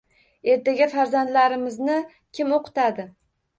Ertaga farzandlarimizni kim o‘qitadi?